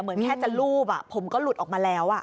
เหมือนแค่จะรูปผมก็หลุดออกมาแล้ว